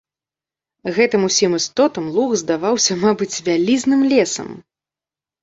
Гэтым усім істотам луг здаваўся, мабыць, вялізным лесам.